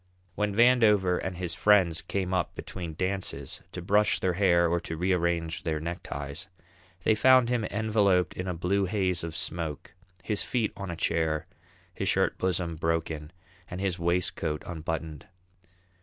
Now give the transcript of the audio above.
When Vandover and his friends came up between dances, to brush their hair or to rearrange their neckties, they found him enveloped in a blue haze of smoke, his feet on a chair, his shirt bosom broken, and his waistcoat unbuttoned.